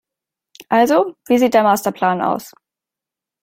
Also, wie sieht der Masterplan aus?